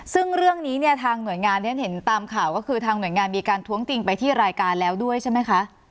ซึ่งเรื่องนี้เนี่ยทางหน่วยงานที่ฉันเห็นตามข่าวก็คือทางหน่วยงานมีการท้วงติงไปที่รายการแล้วด้วยใช่ไหมคะ